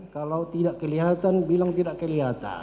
kalau tidak kelihatan bilang tidak kelihatan